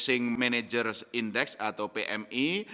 asing managers index atau pmi